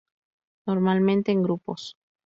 Normalmente en grupos.